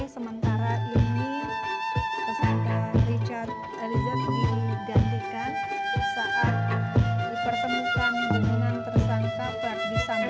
sementara ini tersangka richard eliza digantikan saat dipertemukan dengan tersangka praktisannya